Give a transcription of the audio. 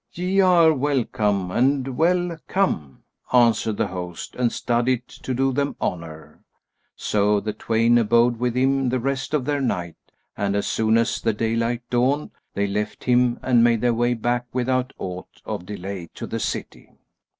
"Ye are welcome and well come!" answered the host, and studied to do them honour; so the twain abode with him the rest of their night and as soon as the daylight dawned, they left him and made their way back without aught of delay to the city.